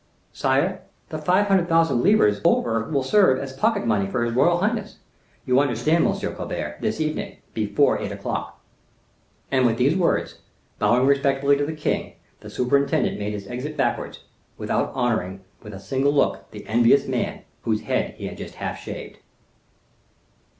"Sire, the five hundred thousand livres over will serve as pocket money for his royal highness. You understand, Monsieur Colbert, this evening before eight o'clock." And with these words, bowing respectfully to the king, the superintendent made his exit backwards, without honoring with a single look the envious man, whose head he had just half shaved.